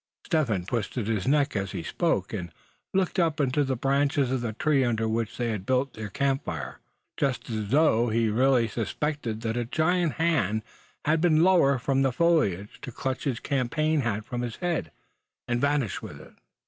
Step Hen twisted his neck as he spoke, and looked up into the branches of the tree under which they had built their camp fire; just as though he really suspected that a giant hand had been lowered from the foliage, to clutch his campaign hat from his head, and vanish with it.